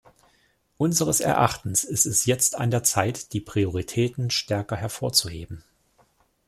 Unseres Erachtens ist es jetzt an der Zeit, die Prioritäten stärker hervorzuheben.